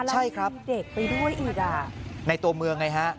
ใช่ครับเด็กไปด้วยอีกอ่ะในตัวเมืองไงฮะ